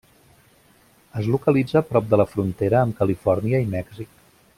Es localitza prop de la frontera amb Califòrnia i Mèxic.